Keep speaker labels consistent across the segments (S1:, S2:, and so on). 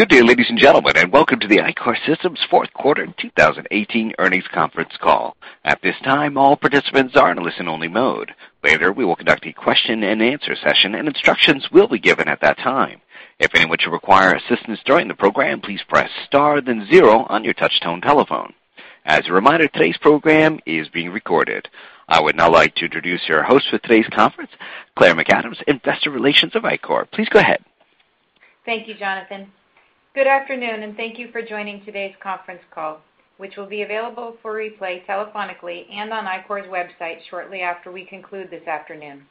S1: Good day ladies and gentlemen and welcome to the Ichor Systems fourth quarter 2018 earnings conference call. At this time, all participants are in listen only mode. Later, we will conduct a question and answer session, and instructions will be given at that time. If anyone should require assistance during the program, please press star then zero on your touchtone telephone. As a reminder, today's program is being recorded. I would now like to introduce your host for today's conference, Claire McAdams, Investor Relations of Ichor. Please go ahead.
S2: Thank you Jonathan. Good afternoon. Thank you for joining today's conference call, which will be available for replay telephonically and on Ichor's website shortly after we conclude this afternoon.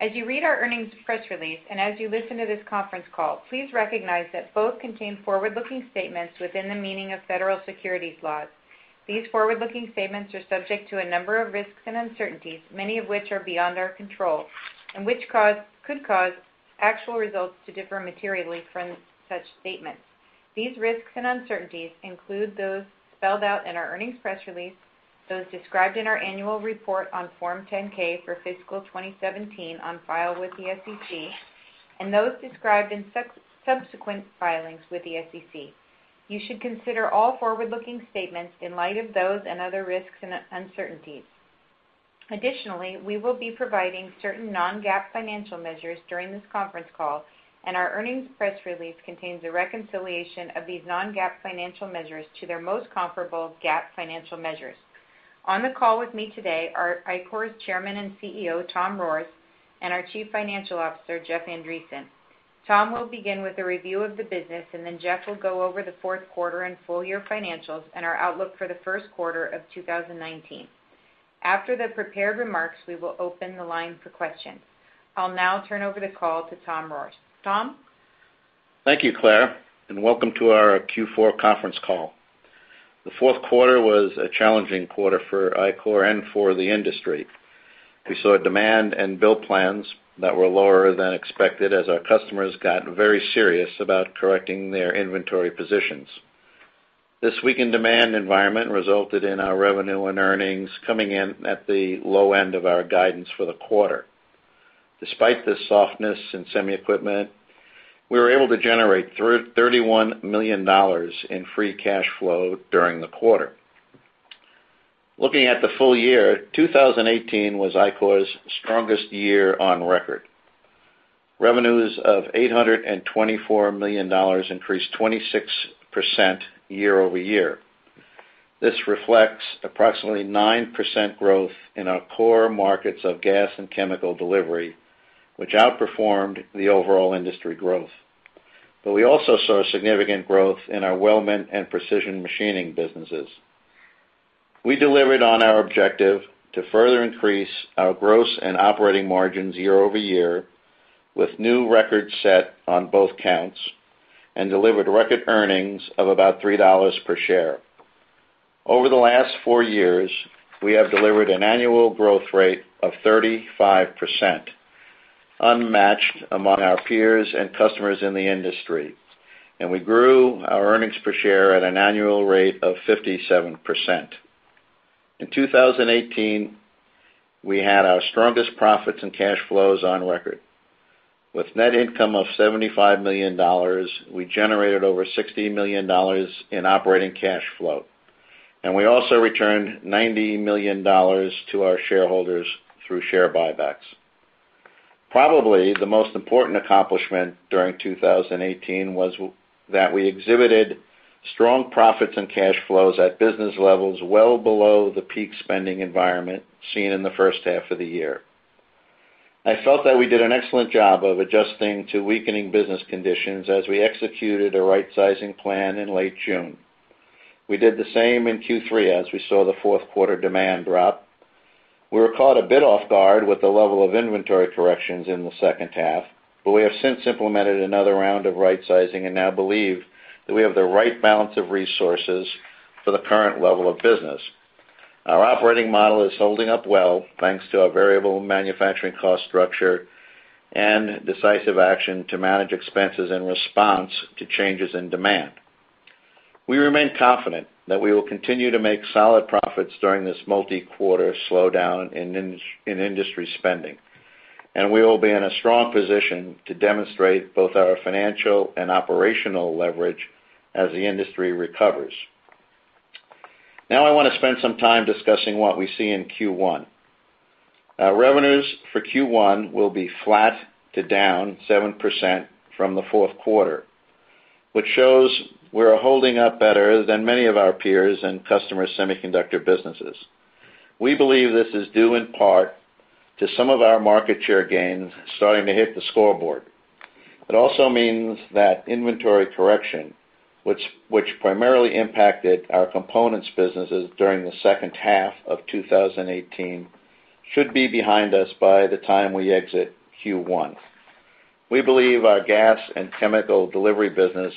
S2: As you read our earnings press release and as you listen to this conference call, please recognize that both contain forward-looking statements within the meaning of Federal Securities Laws. These forward-looking statements are subject to a number of risks and uncertainties, many of which are beyond our control and which could cause actual results to differ materially from such statements. These risks and uncertainties include those spelled out in our earnings press release, those described in our annual report on Form 10-K for fiscal 2017 on file with the SEC, and those described in subsequent filings with the SEC. You should consider all forward-looking statements in light of those and other risks and uncertainties. Additionally, we will be providing certain non-GAAP financial measures during this conference call. Our earnings press release contains a reconciliation of these non-GAAP financial measures to their most comparable GAAP financial measures. On the call with me today are Ichor's Chairman and CEO, Tom Rohrs, and our Chief Financial Officer, Jeff Andreson. Tom will begin with a review of the business. Jeff will go over the fourth quarter and full year financials and our outlook for the first quarter of 2019. After the prepared remarks, we will open the line for questions. I'll now turn over the call to Tom Rohrs. Tom?
S3: Thank you Claire. Welcome to our Q4 conference call. The fourth quarter was a challenging quarter for Ichor and for the industry. We saw demand and build plans that were lower than expected as our customers got very serious about correcting their inventory positions. This weakened demand environment resulted in our revenue and earnings coming in at the low end of our guidance for the quarter. Despite this softness in semi equipment, we were able to generate $31 million in free cash flow during the quarter. Looking at the full year, 2018 was Ichor's strongest year on record. Revenues of $824 million increased 26% year-over-year. This reflects approximately 9% growth in our core markets of gas and chemical delivery, which outperformed the overall industry growth. We also saw significant growth in our weldment and precision machining businesses. We delivered on our objective to further increase our gross and operating margins year-over-year with new records set on both counts and delivered record earnings of about $3 per share. Over the last four years, we have delivered an annual growth rate of 35%, unmatched among our peers and customers in the industry, and we grew our earnings per share at an annual rate of 57%. In 2018, we had our strongest profits and cash flows on record. With net income of $75 million, we generated over $60 million in operating cash flow, and we also returned $90 million to our shareholders through share buybacks. Probably the most important accomplishment during 2018 was that we exhibited strong profits and cash flows at business levels well below the peak spending environment seen in the first half of the year. I felt that we did an excellent job of adjusting to weakening business conditions as we executed a rightsizing plan in late June. We did the same in Q3 as we saw the fourth quarter demand drop. We were caught a bit off guard with the level of inventory corrections in the second half, we have since implemented another round of rightsizing and now believe that we have the right balance of resources for the current level of business. Our operating model is holding up well, thanks to our variable manufacturing cost structure and decisive action to manage expenses in response to changes in demand. We remain confident that we will continue to make solid profits during this multi-quarter slowdown in industry spending, we will be in a strong position to demonstrate both our financial and operational leverage as the industry recovers. I want to spend some time discussing what we see in Q1. Our revenues for Q1 will be flat to down 7% from the fourth quarter, which shows we are holding up better than many of our peers and customer semiconductor businesses. We believe this is due in part to some of our market share gains starting to hit the scoreboard. It also means that inventory correction, which primarily impacted our components businesses during the second half of 2018, should be behind us by the time we exit Q1. We believe our gas and chemical delivery business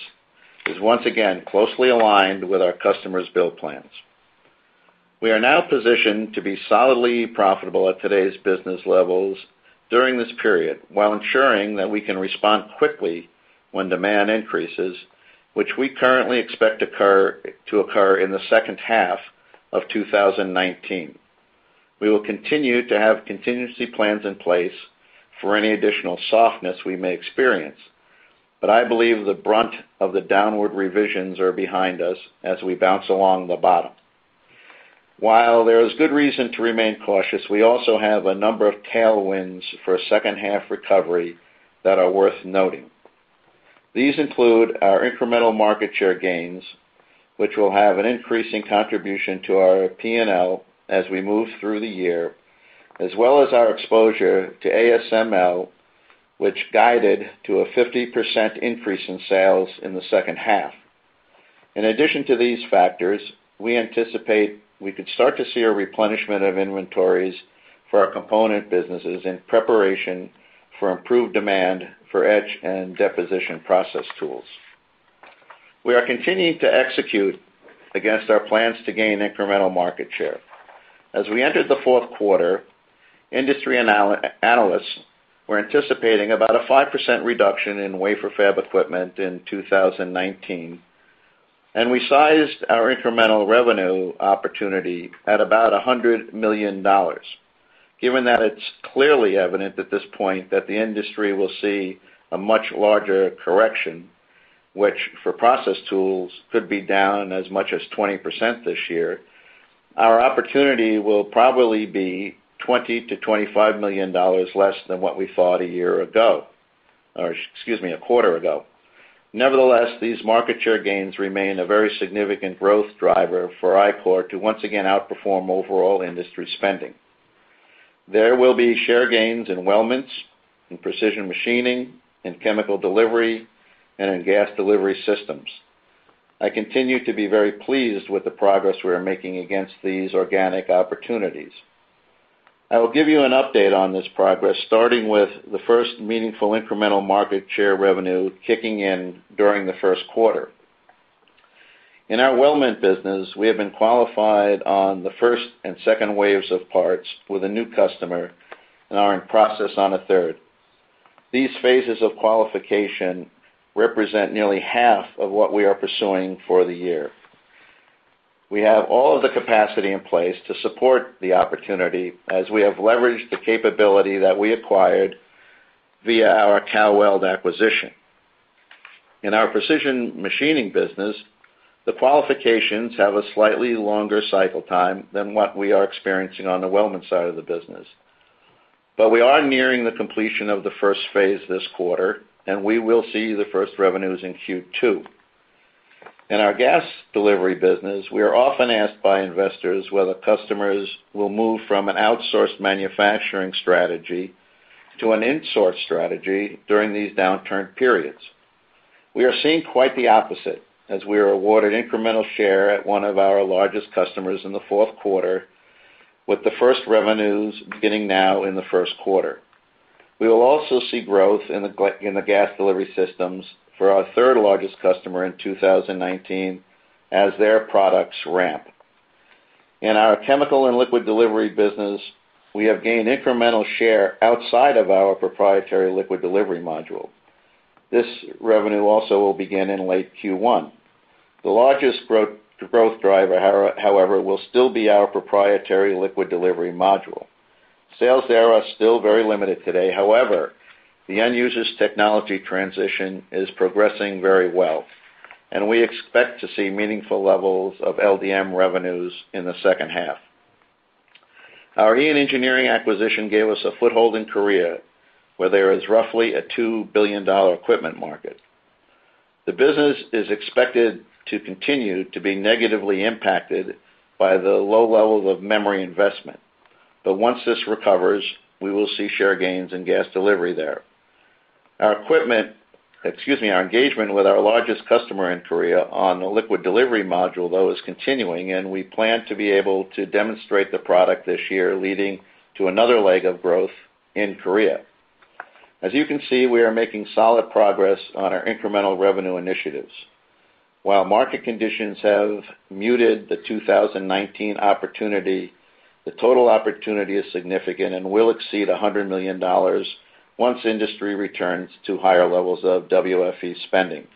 S3: is once again closely aligned with our customers' build plans. We are now positioned to be solidly profitable at today's business levels during this period while ensuring that we can respond quickly when demand increases, which we currently expect to occur in the second half of 2019. We will continue to have contingency plans in place for any additional softness we may experience. I believe the brunt of the downward revisions are behind us as we bounce along the bottom. While there is good reason to remain cautious, we also have a number of tailwinds for a second half recovery that are worth noting. These include our incremental market share gains, which will have an increasing contribution to our P&L as we move through the year, as well as our exposure to ASML, which guided to a 50% increase in sales in the second half. In addition to these factors, we anticipate we could start to see a replenishment of inventories for our component businesses in preparation for improved demand for etch and deposition process tools. We are continuing to execute against our plans to gain incremental market share. As we entered the fourth quarter, industry analysts were anticipating about a 5% reduction in wafer fab equipment in 2019, and we sized our incremental revenue opportunity at about $100 million. Given that it's clearly evident at this point that the industry will see a much larger correction, which for process tools could be down as much as 20% this year, our opportunity will probably be $20 million-$25 million less than what we thought a quarter ago. Nevertheless, these market share gains remain a very significant growth driver for Ichor to once again outperform overall industry spending. There will be share gains in weldments, in precision machining, in chemical delivery, and in gas delivery systems. I continue to be very pleased with the progress we are making against these organic opportunities. I will give you an update on this progress, starting with the first meaningful incremental market share revenue kicking in during the first quarter. In our weldment business, we have been qualified on the first and second waves of parts with a new customer and are in process on a third. These phases of qualification represent nearly half of what we are pursuing for the year. We have all of the capacity in place to support the opportunity, as we have leveraged the capability that we acquired via our Cal-Weld acquisition. In our precision machining business, the qualifications have a slightly longer cycle time than what we are experiencing on the weldment side of the business. We are nearing the completion of the first phase this quarter, and we will see the first revenues in Q2. In our gas delivery business, we are often asked by investors whether customers will move from an outsourced manufacturing strategy to an insourced strategy during these downturn periods. We are seeing quite the opposite, as we were awarded incremental share at one of our largest customers in the fourth quarter, with the first revenues beginning now in the first quarter. We will also see growth in the gas delivery systems for our third largest customer in 2019 as their products ramp. In our chemical and liquid delivery business, we have gained incremental share outside of our proprietary liquid delivery module. This revenue also will begin in late Q1. The largest growth driver, however, will still be our proprietary liquid delivery module. Sales there are still very limited today. However, the end user's technology transition is progressing very well, and we expect to see meaningful levels of LDM revenues in the second half. Our IAN Engineering acquisition gave us a foothold in Korea, where there is roughly a $2 billion equipment market. The business is expected to continue to be negatively impacted by the low levels of memory investment. Once this recovers, we will see share gains in gas delivery there. Our engagement with our largest customer in Korea on the liquid delivery module, though, is continuing, and we plan to be able to demonstrate the product this year, leading to another leg of growth in Korea. As you can see, we are making solid progress on our incremental revenue initiatives. While market conditions have muted the 2019 opportunity, the total opportunity is significant and will exceed $100 million once industry returns to higher levels of WFE spending.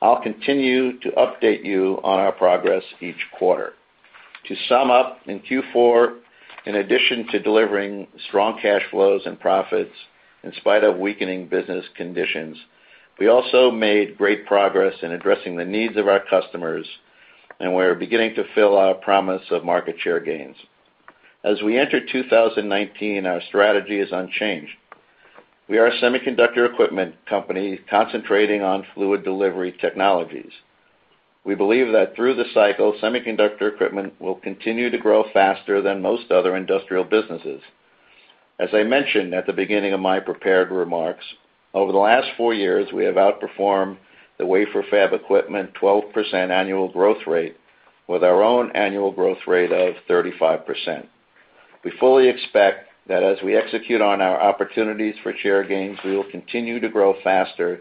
S3: I'll continue to update you on our progress each quarter. To sum up, in Q4, in addition to delivering strong cash flows and profits, in spite of weakening business conditions, we also made great progress in addressing the needs of our customers, and we're beginning to fill our promise of market share gains. As we enter 2019, our strategy is unchanged. We are a semiconductor equipment company concentrating on fluid delivery technologies. We believe that through the cycle, semiconductor equipment will continue to grow faster than most other industrial businesses. As I mentioned at the beginning of my prepared remarks, over the last four years, we have outperformed the wafer fab equipment 12% annual growth rate with our own annual growth rate of 35%. We fully expect that as we execute on our opportunities for share gains, we will continue to grow faster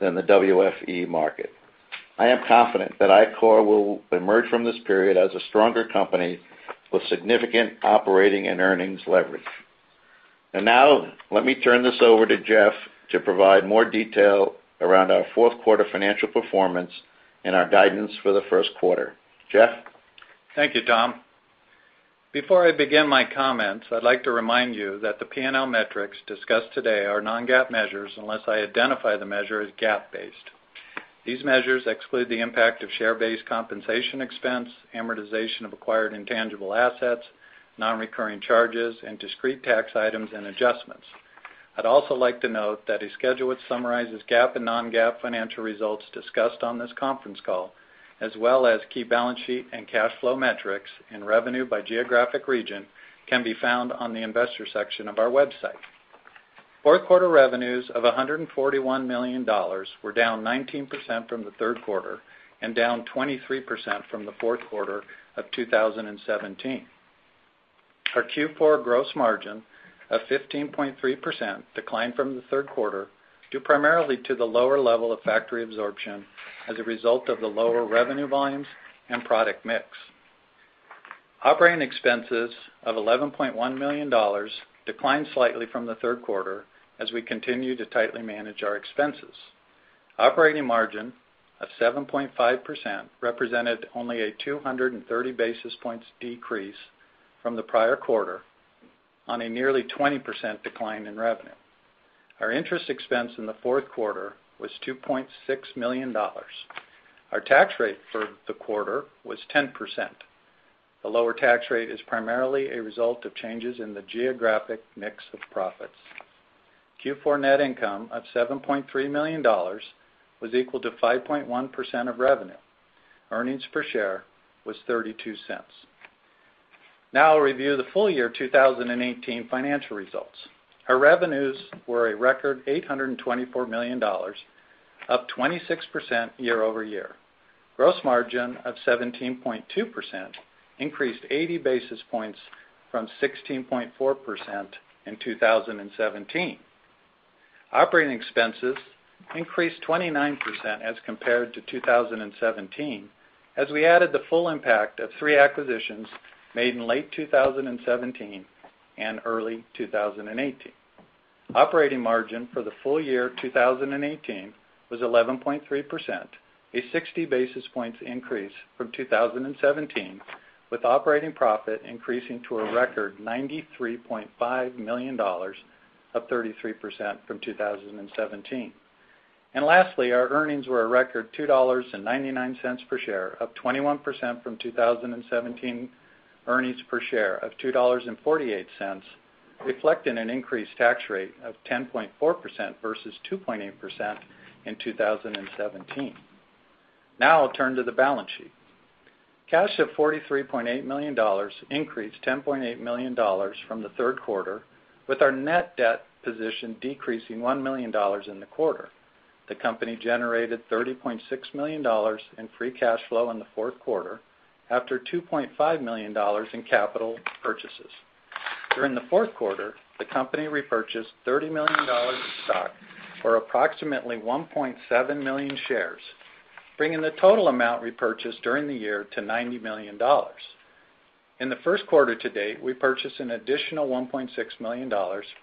S3: than the WFE market. I am confident that Ichor will emerge from this period as a stronger company with significant operating and earnings leverage. Now let me turn this over to Jeff to provide more detail around our fourth quarter financial performance and our guidance for the first quarter. Jeff?
S4: Thank you Tom. Before I begin my comments, I'd like to remind you that the P&L metrics discussed today are non-GAAP measures, unless I identify the measure as GAAP-based. These measures exclude the impact of share-based compensation expense, amortization of acquired intangible assets, non-recurring charges, and discrete tax items and adjustments. I'd also like to note that a schedule which summarizes GAAP and non-GAAP financial results discussed on this conference call, as well as key balance sheet and cash flow metrics and revenue by geographic region, can be found on the investor section of our website. Fourth quarter revenues of $141 million were down 19% from the third quarter and down 23% from the fourth quarter of 2017. Our Q4 gross margin of 15.3% declined from the third quarter due primarily to the lower level of factory absorption as a result of the lower revenue volumes and product mix. Operating expenses of $11.1 million declined slightly from the third quarter as we continue to tightly manage our expenses. Operating margin of 7.5% represented only a 230 basis points decrease from the prior quarter on a nearly 20% decline in revenue. Our interest expense in the fourth quarter was $2.6 million. Our tax rate for the quarter was 10%. The lower tax rate is primarily a result of changes in the geographic mix of profits. Q4 net income of $7.3 million was equal to 5.1% of revenue. Earnings per share was $0.32. Now I'll review the full year 2018 financial results. Our revenues were a record $824 million, up 26% year-over-year. Gross margin of 17.2% increased 80 basis points from 16.4% in 2017. Operating expenses increased 29% as compared to 2017, as we added the full impact of three acquisitions made in late 2017 and early 2018. Operating margin for the full year of 2018 was 11.3%, a 60 basis points increase from 2017 with operating profit increasing to a record $93.5 million, up 33% from 2017. Lastly, our earnings were a record $2.99 per share, up 21% from 2017 earnings per share of $2.48, reflecting an increased tax rate of 10.4% versus 2.8% in 2017. Now I'll turn to the balance sheet. Cash of $43.8 million increased $10.8 million from the third quarter, with our net debt position decreasing $1 million in the quarter. The company generated $30.6 million in free cash flow in the fourth quarter after $2.5 million in capital purchases. During the fourth quarter, the company repurchased $30 million in stock or approximately 1.7 million shares, bringing the total amount repurchased during the year to $90 million. In the first quarter to date, we purchased an additional $1.6 million,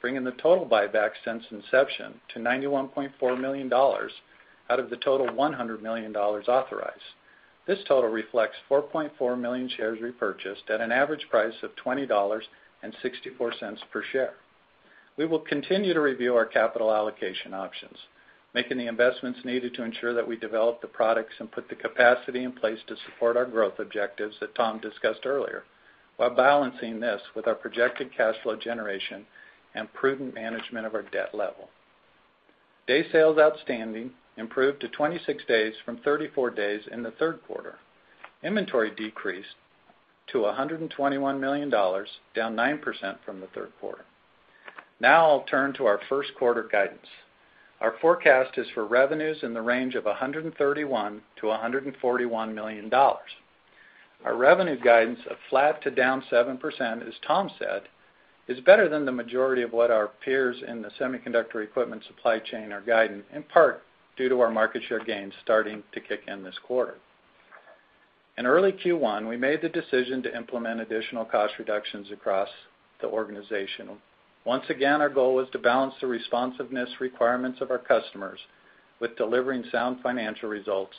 S4: bringing the total buyback since inception to $91.4 million out of the total $100 million authorized. This total reflects 4.4 million shares repurchased at an average price of $20.64 per share. We will continue to review our capital allocation options, making the investments needed to ensure that we develop the products and put the capacity in place to support our growth objectives that Tom discussed earlier, while balancing this with our projected cash flow generation and prudent management of our debt level. Day sales outstanding improved to 26 days from 34 days in the third quarter. Inventory decreased to $121 million, down 9% from the third quarter. Now I'll turn to our first quarter guidance. Our forecast is for revenues in the range of $131 million-$141 million. Our revenue guidance of flat to down 7%, as Tom said, is better than the majority of what our peers in the semiconductor equipment supply chain are guiding, in part due to our market share gains starting to kick in this quarter. In early Q1, we made the decision to implement additional cost reductions across the organization. Once again, our goal was to balance the responsiveness requirements of our customers with delivering sound financial results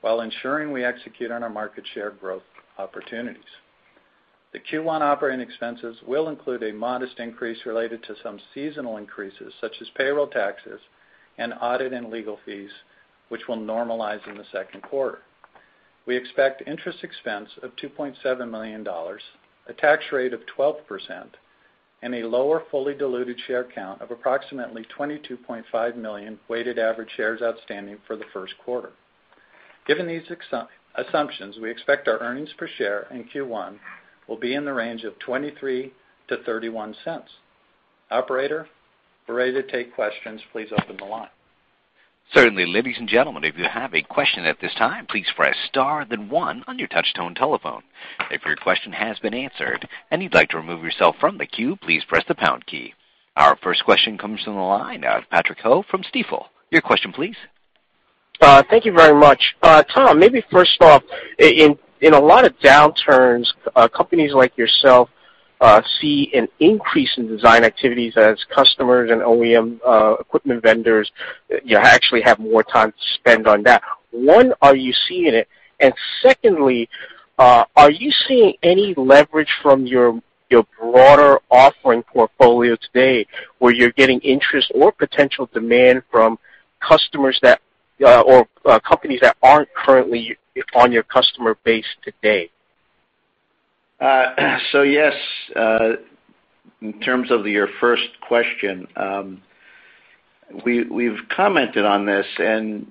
S4: while ensuring we execute on our market share growth opportunities. The Q1 operating expenses will include a modest increase related to some seasonal increases, such as payroll taxes and audit and legal fees, which will normalize in the second quarter. We expect interest expense of $2.7 million, a tax rate of 12%, and a lower fully diluted share count of approximately 22.5 million weighted average shares outstanding for the first quarter. Given these assumptions, we expect our earnings per share in Q1 will be in the range of $0.23-$0.31. Operator, we're ready to take questions. Please open the line.
S1: Certainly. Ladies and gentlemen, if you have a question at this time, please press star 1 on your touch-tone telephone. If your question has been answered and you'd like to remove yourself from the queue, please press the pound key. Our first question comes from the line of Patrick Ho from Stifel. Your question please?
S5: Thank you very much. Tom, maybe first off, in a lot of downturns, companies like yourself see an increase in design activities as customers and OEM equipment vendors actually have more time to spend on that. One, are you seeing it? Secondly, are you seeing any leverage from your broader offering portfolio today where you're getting interest or potential demand from customers that or companies that aren't currently on your customer base today?
S3: Yes, in terms of your first question, we've commented on this,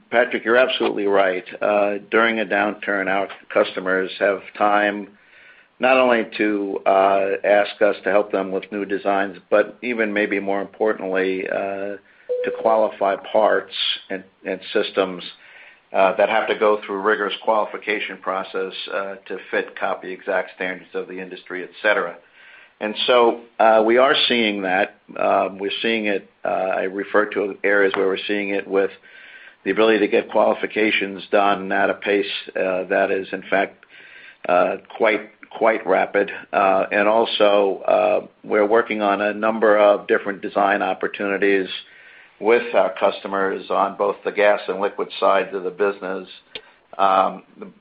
S3: Patrick, you're absolutely right. During a downturn, our customers have time not only to ask us to help them with new designs, but even maybe more importantly, to qualify parts and systems that have to go through rigorous qualification process to fit copy exact standards of the industry, et cetera. We are seeing that. We're seeing it, I refer to areas where we're seeing it with the ability to get qualifications done at a pace that is, in fact, quite rapid. Also, we're working on a number of different design opportunities with our customers on both the gas and liquid sides of the business,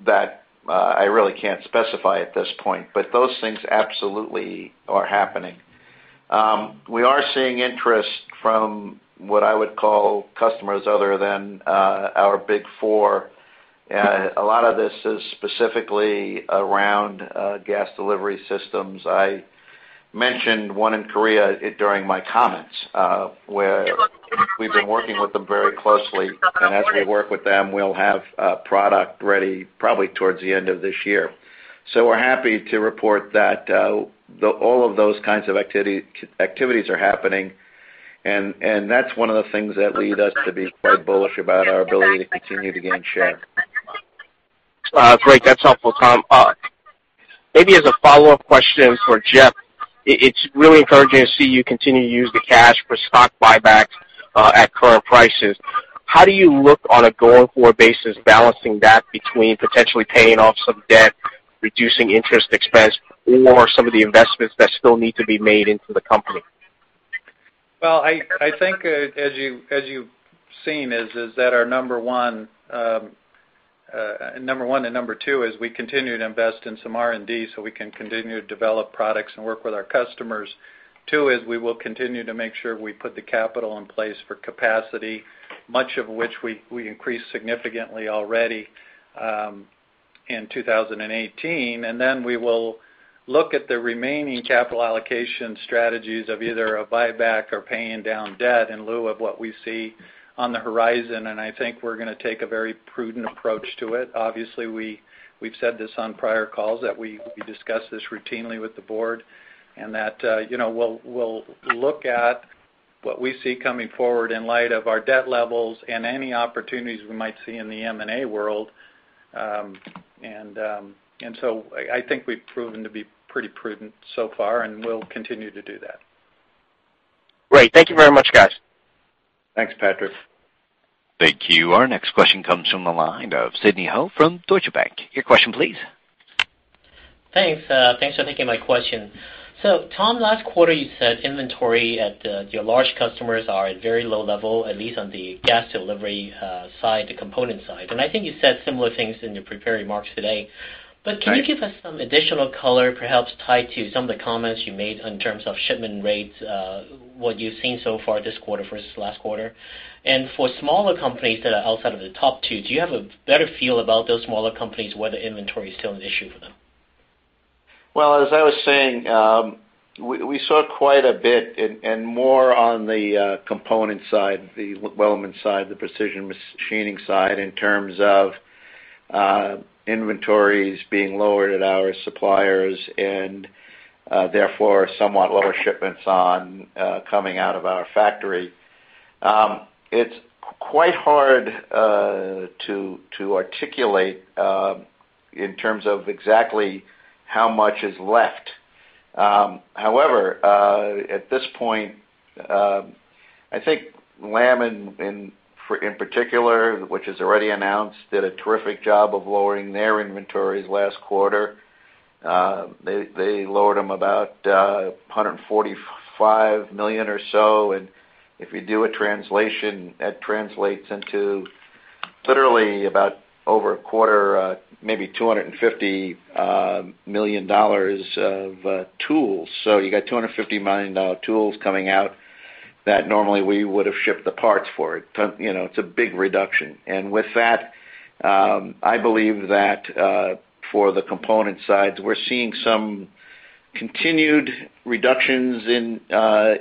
S3: that I really can't specify at this point. Those things absolutely are happening. We are seeing interest from what I would call customers other than our big four. A lot of this is specifically around gas delivery systems. I mentioned one in Korea during my comments, where we've been working with them very closely. As we work with them, we'll have a product ready probably towards the end of this year. We're happy to report that all of those kinds of activities are happening, and that's one of the things that lead us to be quite bullish about our ability to continue to gain share.
S5: Great. That's helpful, Tom. Maybe as a follow-up question for Jeff, it's really encouraging to see you continue to use the cash for stock buybacks at current prices. How do you look on a going-forward basis balancing that between potentially paying off some debt, reducing interest expense, or some of the investments that still need to be made into the company?
S4: Well, I think as you've seen is that our number one and number two is we continue to invest in some R&D so we can continue to develop products and work with our customers. Two is we will continue to make sure we put the capital in place for capacity, much of which we increased significantly already in 2018. Then we will look at the remaining capital allocation strategies of either a buyback or paying down debt in lieu of what we see on the horizon, I think we're going to take a very prudent approach to it. Obviously, we've said this on prior calls that we discuss this routinely with the board, that we'll look at what we see coming forward in light of our debt levels and any opportunities we might see in the M&A world. I think we've proven to be pretty prudent so far, we'll continue to do that.
S5: Great. Thank you very much guys.
S3: Thanks Patrick.
S1: Thank you. Our next question comes from the line of Sidney Ho from Deutsche Bank. Your question please.
S6: Thanks. Thanks for taking my question. Tom, last quarter you said inventory at your large customers are at very low level, at least on the gas delivery side, the component side. I think you said similar things in your prepared remarks today.
S3: Right.
S6: Can you give us some additional color, perhaps tied to some of the comments you made in terms of shipment rates, what you've seen so far this quarter versus last quarter? For smaller companies that are outside of the top two, do you have a better feel about those smaller companies, whether inventory is still an issue for them?
S3: Well, as I was saying, we saw quite a bit and more on the component side, the weldment side, the precision machining side in terms of inventories being lowered at our suppliers and, therefore, somewhat lower shipments on coming out of our factory. It's quite hard to articulate in terms of exactly how much is left. However, at this point, I think Lam in particular, which is already announced, did a terrific job of lowering their inventories last quarter. They lowered them about $145 million or so. If you do a translation, that translates into literally about over a quarter, maybe $250 million of tools. You got $250 million tools coming out that normally we would have shipped the parts for it. It's a big reduction. With that, I believe that for the component sides, we're seeing some continued reductions in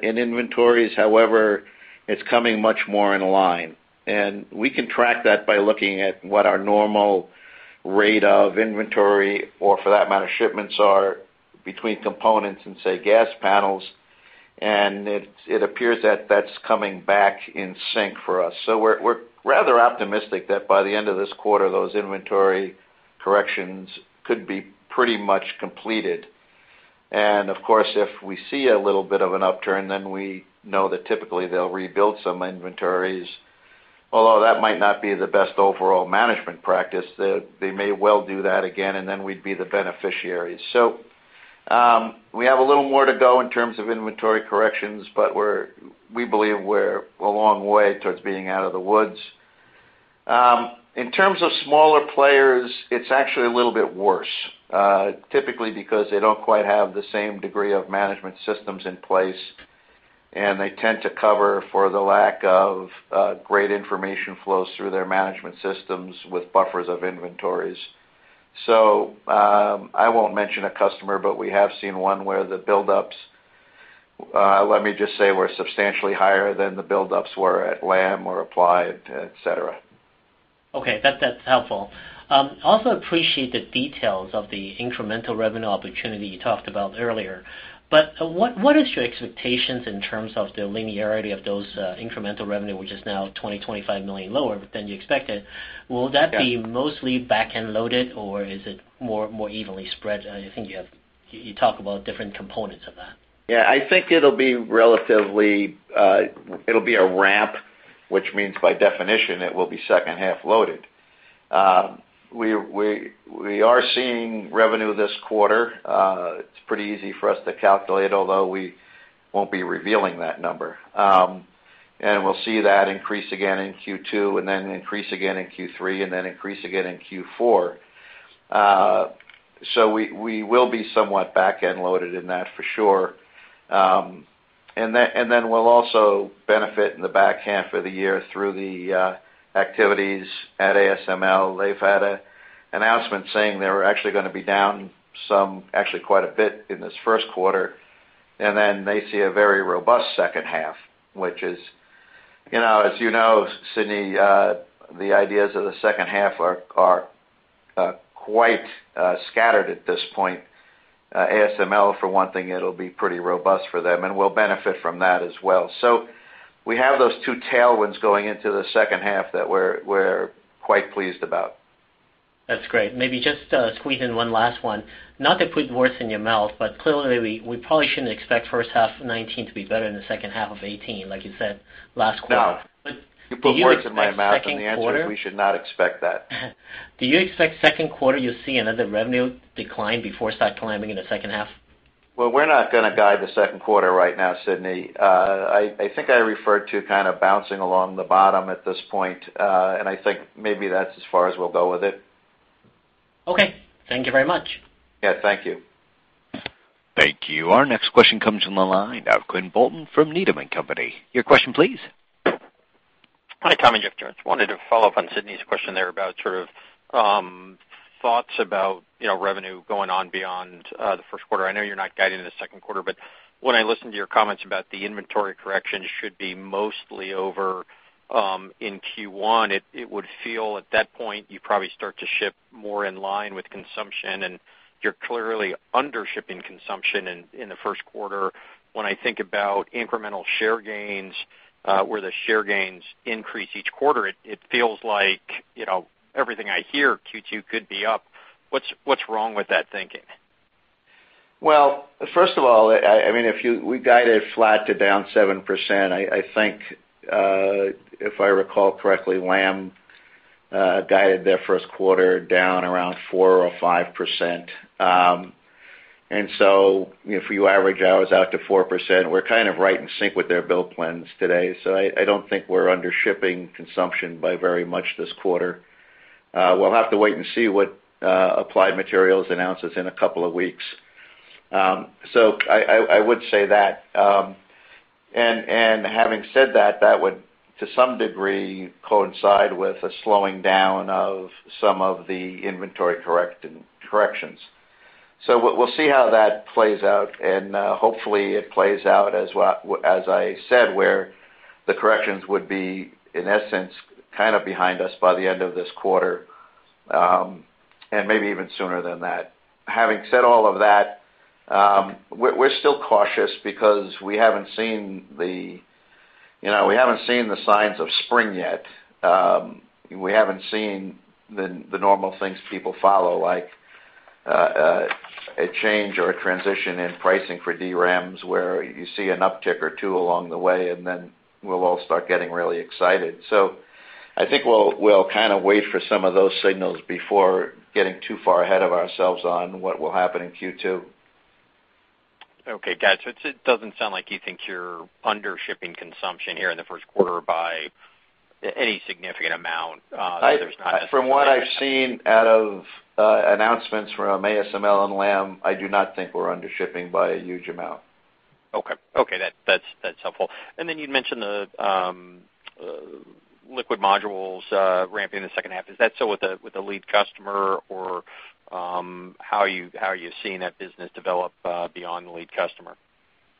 S3: inventories. However, it's coming much more in line. We can track that by looking at what our normal rate of inventory, or for that matter, shipments are between components and, say, gas panels. It appears that that's coming back in sync for us. We're rather optimistic that by the end of this quarter, those inventory corrections could be pretty much completed. Of course, if we see a little bit of an upturn, we know that typically they'll rebuild some inventories, although that might not be the best overall management practice. They may well do that again, and then we'd be the beneficiaries. We have a little more to go in terms of inventory corrections, but we believe we're a long way towards being out of the woods. In terms of smaller players, it's actually a little bit worse, typically because they don't quite have the same degree of management systems in place, and they tend to cover for the lack of great information flows through their management systems with buffers of inventories. I won't mention a customer, but we have seen one where the buildups, let me just say, were substantially higher than the buildups were at Lam or Applied, et cetera.
S6: Okay. That's helpful. Also appreciate the details of the incremental revenue opportunity you talked about earlier. What is your expectations in terms of the linearity of those incremental revenue, which is now $20 million-$25 million lower than you expected?
S3: Yeah.
S6: Will that be mostly back-end loaded, or is it more evenly spread? I think you talk about different components of that.
S3: Yeah, I think it'll be a ramp, which means by definition, it will be second-half loaded. We are seeing revenue this quarter. It's pretty easy for us to calculate, although we won't be revealing that number. We'll see that increase again in Q2, then increase again in Q3, then increase again in Q4. We will be somewhat back-end loaded in that, for sure. We'll also benefit in the back half of the year through the activities at ASML. They've had an announcement saying they were actually going to be down some, actually quite a bit in this first quarter, then they see a very robust second half. As you know, Sidney, the ideas of the second half are quite scattered at this point. ASML, for one thing, it'll be pretty robust for them, and we'll benefit from that as well. We have those two tailwinds going into the second half that we're quite pleased about.
S6: That's great. Maybe just squeeze in one last one. Not to put words in your mouth, but clearly, we probably shouldn't expect first half 2019 to be better than the second half of 2018, like you said last quarter.
S3: No. You put words in my mouth.
S6: Do you expect second quarter.
S3: The answer is we should not expect that.
S6: Do you expect second quarter, you'll see another revenue decline before start climbing in the second half?
S3: Well, we're not going to guide the second quarter right now, Sidney. I think I referred to kind of bouncing along the bottom at this point, and I think maybe that's as far as we'll go with it.
S6: Okay. Thank you very much.
S3: Yeah. Thank you.
S1: Thank you. Our next question comes from the line of Quinn Bolton from Needham & Company. Your question, please.
S7: Hi, Tom and Jeff. Just wanted to follow up on Sidney's question there about sort of thoughts about revenue going on beyond the first quarter. I know you're not guiding in the second quarter, when I listen to your comments about the inventory correction should be mostly over in Q1, it would feel at that point, you probably start to ship more in line with consumption. You're clearly under shipping consumption in the first quarter. When I think about incremental share gains, where the share gains increase each quarter, it feels like everything I hear, Q2 could be up. What's wrong with that thinking?
S3: Well, first of all, we guided flat to down 7%. I think, if I recall correctly, Lam guided their first quarter down around 4% or 5%. If you average ours out to 4%, we're kind of right in sync with their bill plans today. I don't think we're under shipping consumption by very much this quarter. We'll have to wait and see what Applied Materials announces in a couple of weeks. I would say that, having said that would, to some degree, coincide with a slowing down of some of the inventory corrections. We'll see how that plays out, hopefully it plays out as I said, where the corrections would be, in essence, kind of behind us by the end of this quarter, maybe even sooner than that. Having said all of that, we're still cautious because we haven't seen the signs of spring yet. We haven't seen the normal things people follow, like a change or a transition in pricing for DRAMs, where you see an uptick or two along the way, then we'll all start getting really excited. I think we'll kind of wait for some of those signals before getting too far ahead of ourselves on what will happen in Q2.
S7: Okay, got it. It doesn't sound like you think you're under shipping consumption here in the first quarter by any significant amount.
S3: From what I've seen out of announcements from ASML and Lam, I do not think we're under shipping by a huge amount.
S7: Okay. That's helpful. Then you mentioned the liquid modules ramping in the second half. Is that still with the lead customer, or how are you seeing that business develop beyond the lead customer?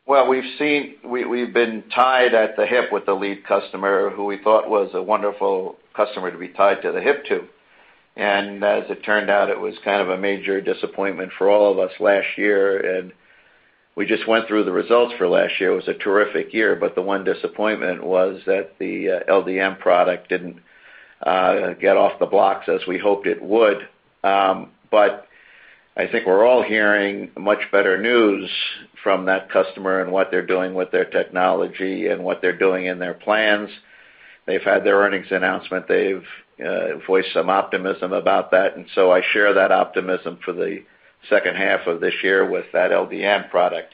S3: Well, we've been tied at the hip with the lead customer, who we thought was a wonderful customer to be tied to the hip to. As it turned out, it was kind of a major disappointment for all of us last year. We just went through the results for last year. It was a terrific year, but the one disappointment was that the LDM product didn't get off the blocks as we hoped it would. I think we're all hearing much better news from that customer and what they're doing with their technology and what they're doing in their plans. They've had their earnings announcement. They've voiced some optimism about that, and so I share that optimism for the second half of this year with that LDM product.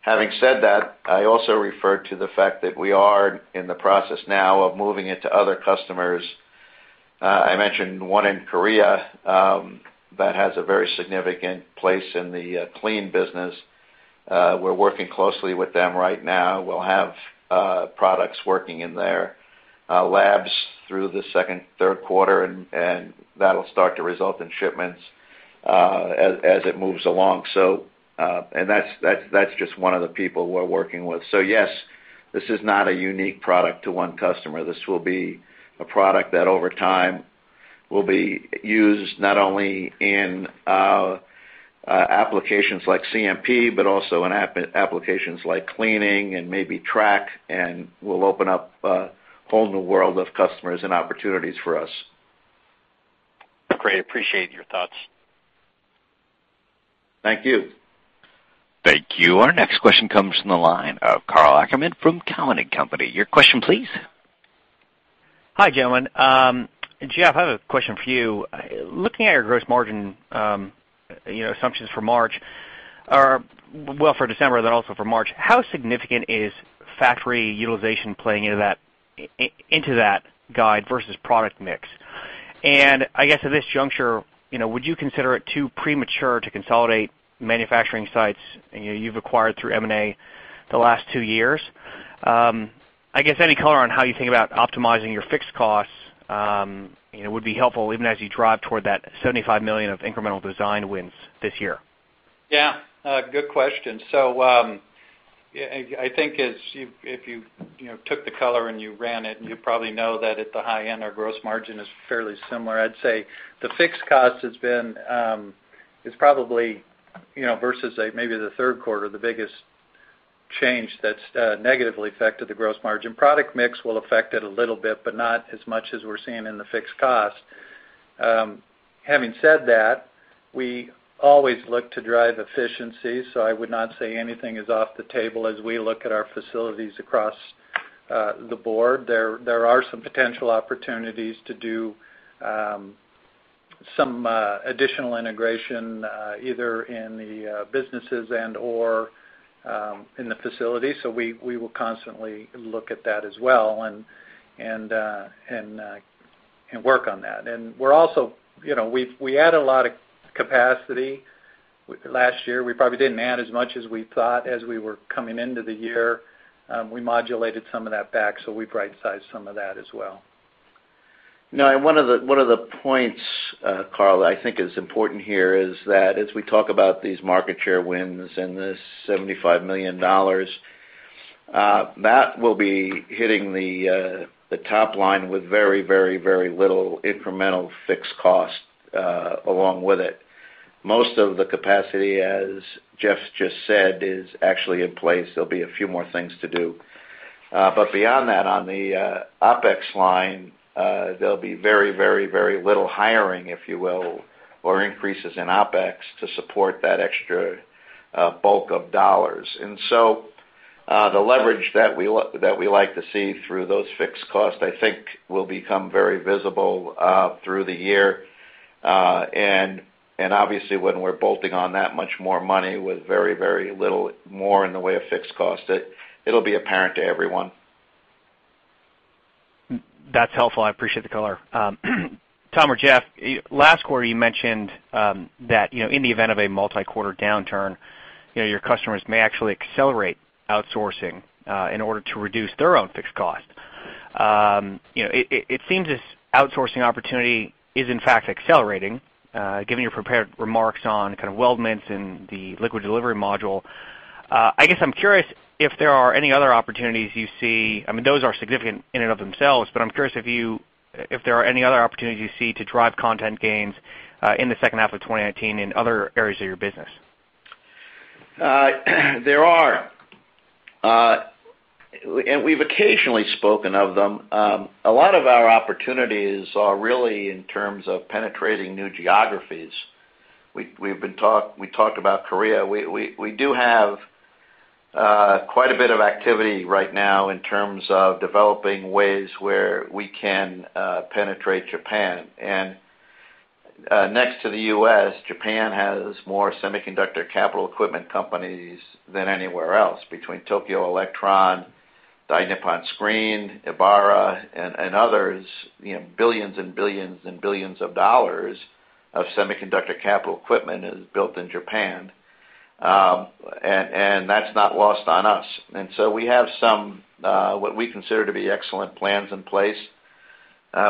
S3: Having said that, I also referred to the fact that we are in the process now of moving it to other customers. I mentioned one in Korea that has a very significant place in the clean business. We're working closely with them right now. We'll have products working in their labs through the second, third quarter, and that'll start to result in shipments as it moves along. That's just one of the people we're working with. Yes, this is not a unique product to one customer. This will be a product that, over time, will be used not only in applications like CMP, but also in applications like cleaning and maybe track, and will open up a whole new world of customers and opportunities for us.
S7: Great. Appreciate your thoughts.
S3: Thank you.
S1: Thank you. Our next question comes from the line of Karl Ackerman from Cowen and Company. Your question, please.
S8: Hi, gentlemen. Jeff, I have a question for you. Looking at your gross margin assumptions for March, well, for December then also for March, how significant is factory utilization playing into that guide versus product mix? I guess at this juncture, would you consider it too premature to consolidate manufacturing sites you've acquired through M&A the last two years? I guess any color on how you think about optimizing your fixed costs would be helpful, even as you drive toward that $75 million of incremental design wins this year.
S4: Yeah. Good question. I think if you took the color and you ran it, you probably know that at the high end, our gross margin is fairly similar. I'd say the fixed cost is probably, versus maybe the third quarter, the biggest change that's negatively affected the gross margin. Product mix will affect it a little bit, but not as much as we're seeing in the fixed cost. Having said that, we always look to drive efficiency, so I would not say anything is off the table as we look at our facilities across the board. There are some potential opportunities to do some additional integration, either in the businesses and/or in the facility. We will constantly look at that as well and work on that. We add a lot of capacity last year. We probably didn't add as much as we thought as we were coming into the year. We modulated some of that back, so we right-sized some of that as well.
S3: One of the points, Karl, I think is important here is that as we talk about these market share wins and this $75 million, that will be hitting the top line with very little incremental fixed cost along with it. Most of the capacity, as Jeff just said, is actually in place. There'll be a few more things to do. Beyond that, on the OpEx line, there'll be very little hiring, if you will, or increases in OpEx to support that extra bulk of dollars. The leverage that we like to see through those fixed costs, I think will become very visible through the year. Obviously, when we're bolting on that much more money with very little more in the way of fixed cost, it'll be apparent to everyone.
S8: That's helpful. I appreciate the color. Tom or Jeff, last quarter, you mentioned that in the event of a multi-quarter downturn, your customers may actually accelerate outsourcing in order to reduce their own fixed cost. It seems this outsourcing opportunity is, in fact, accelerating, given your prepared remarks on kind of weldments and the liquid delivery module. I guess I'm curious if there are any other opportunities you see, I mean, those are significant in and of themselves, but I'm curious if there are any other opportunities you see to drive content gains in the second half of 2019 in other areas of your business.
S3: There are. We've occasionally spoken of them. A lot of our opportunities are really in terms of penetrating new geographies. We talked about Korea. We do have quite a bit of activity right now in terms of developing ways where we can penetrate Japan. Next to the U.S., Japan has more semiconductor capital equipment companies than anywhere else, between Tokyo Electron, Dainippon Screen, Ebara, and others. Billions and billions of dollars of semiconductor capital equipment is built in Japan, and that's not lost on us. We have some, what we consider to be excellent plans in place.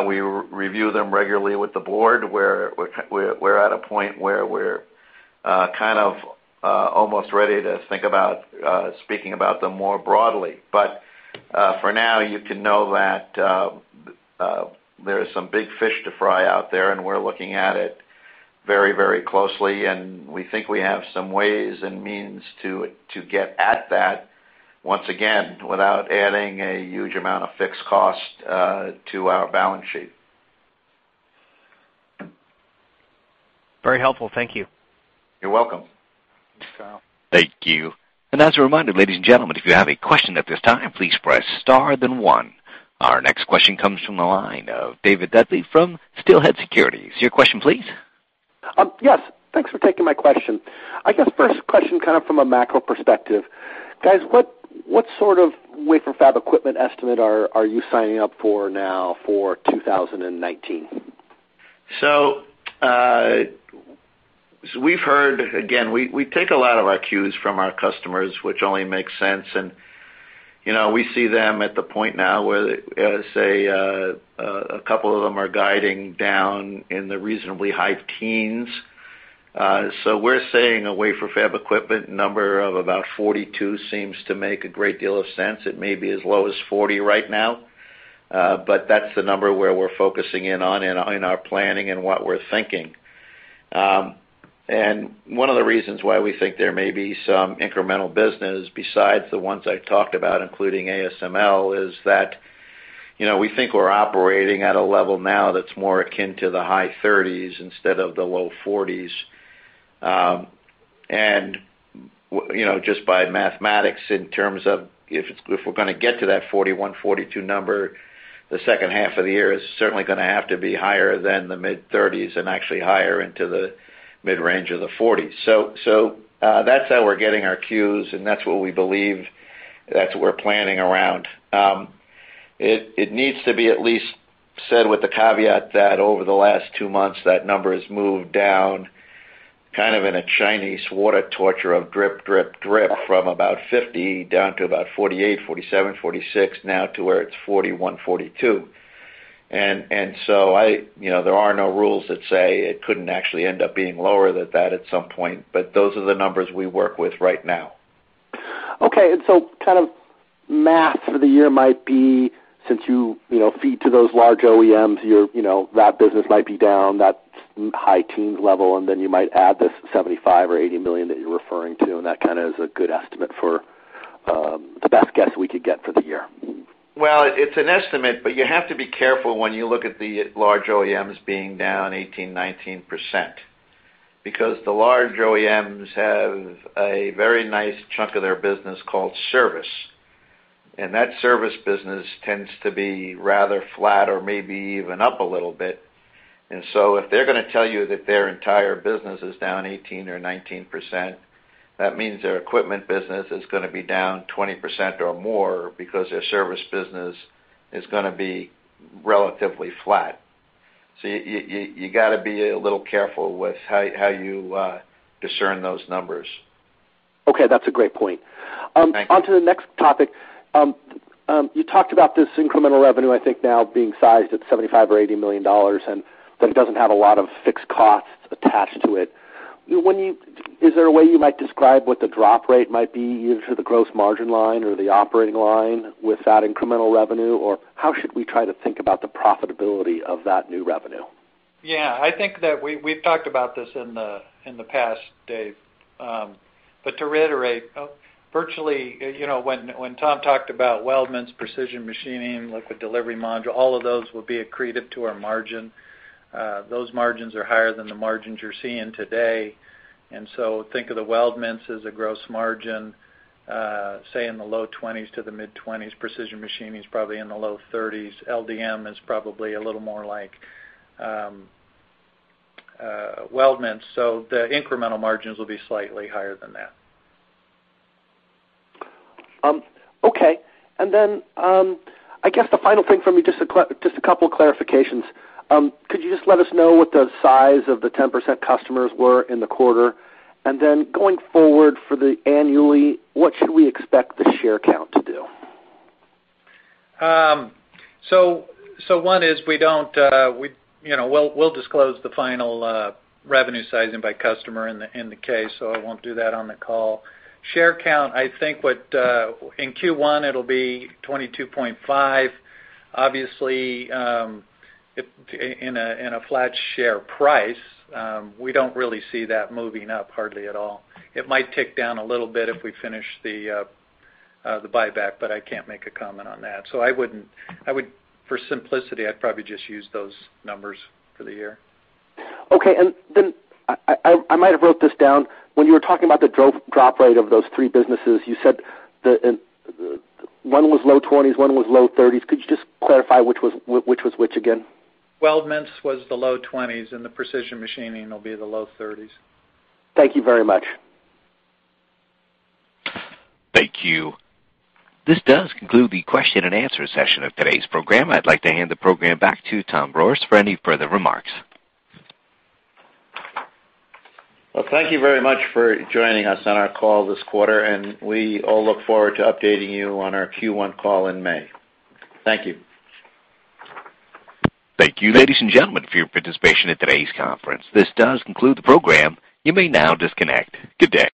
S3: We review them regularly with the board. We're at a point where we're kind of almost ready to think about speaking about them more broadly. For now, you can know that there is some big fish to fry out there, and we're looking at it very closely, and we think we have some ways and means to get at that, once again, without adding a huge amount of fixed cost to our balance sheet.
S8: Very helpful. Thank you
S3: You're welcome.
S4: Thanks Karl.
S1: Thank you. As a reminder, ladies and gentlemen, if you have a question at this time, please press star then one. Our next question comes from the line of David Duley from Steelhead Securities. Your question, please.
S9: Yes, thanks for taking my question. I guess first question kind of from a macro perspective. Guys, what sort of wafer fab equipment estimate are you signing up for now for 2019?
S3: We take a lot of our cues from our customers, which only makes sense. We see them at the point now where, say, a couple of them are guiding down in the reasonably high teens. We're saying a wafer fab equipment number of about 42 seems to make a great deal of sense. It may be as low as 40 right now, but that's the number where we're focusing in on in our planning and what we're thinking. One of the reasons why we think there may be some incremental business besides the ones I talked about, including ASML, is that we think we're operating at a level now that's more akin to the high 30s instead of the low 40s. Just by mathematics, in terms of if we're going to get to that 41, 42 number, the second half of the year is certainly going to have to be higher than the mid-30s and actually higher into the mid-range of the 40s. That's how we're getting our cues, and that's what we believe, that's what we're planning around. It needs to be at least said with the caveat that over the last two months, that number has moved down kind of in a Chinese water torture of drip from about 50 down to about 48, 47, 46, now to where it's 41, 42. There are no rules that say it couldn't actually end up being lower than that at some point. Those are the numbers we work with right now.
S9: Kind of math for the year might be, since you feed to those large OEMs, that business might be down, that high teens level, then you might add the $75 million or $80 million that you're referring to, and that kind of is a good estimate for the best guess we could get for the year.
S3: It's an estimate, but you have to be careful when you look at the large OEMs being down 18%, 19%, because the large OEMs have a very nice chunk of their business called service, and that service business tends to be rather flat or maybe even up a little bit. If they're going to tell you that their entire business is down 18% or 19%, that means their equipment business is going to be down 20% or more because their service business is going to be relatively flat. You got to be a little careful with how you discern those numbers.
S9: Okay, that's a great point.
S3: Thank you.
S9: To the next topic. You talked about this incremental revenue, I think now being sized at $75 million or $80 million, and that it doesn't have a lot of fixed costs attached to it. Is there a way you might describe what the drop rate might be either to the gross margin line or the operating line with that incremental revenue? Or how should we try to think about the profitability of that new revenue?
S4: I think that we've talked about this in the past, Dave. To reiterate, virtually, when Tom talked about weldments, precision machining, liquid delivery module, all of those will be accretive to our margin. Those margins are higher than the margins you're seeing today. Think of the weldments as a gross margin, say in the low 20s to the mid-20s. Precision machining is probably in the low 30s. LDM is probably a little more like weldment. The incremental margins will be slightly higher than that.
S9: Okay. I guess the final thing for me, just a couple of clarifications. Could you just let us know what the size of the 10% customers were in the quarter? Going forward for the annually, what should we expect the share count to do?
S4: One is we'll disclose the final revenue sizing by customer in the K, I won't do that on the call. Share count, I think that in Q1 it'll be 22.5%. Obviously, in a flat share price, we don't really see that moving up hardly at all. It might tick down a little bit if we finish the buyback, but I can't make a comment on that. For simplicity, I'd probably just use those numbers for the year.
S9: Okay. I might have wrote this down. When you were talking about the drop rate of those three businesses, you said one was low 20s, one was low 30s. Could you just clarify which was which again?
S4: Weldments was the low 20s, the precision machining will be the low 30s.
S9: Thank you very much.
S1: Thank you. This does conclude the question and answer session of today's program. I'd like to hand the program back to Tom Rohrs for any further remarks.
S3: Well, thank you very much for joining us on our call this quarter, and we all look forward to updating you on our Q1 call in May. Thank you.
S1: Thank you ladies and gentlemen for your participation in today's conference. This does conclude the program. You may now disconnect. Good day.